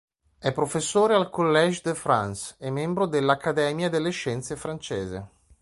È professore al Collège de France e membro dell'Accademia delle scienze francese.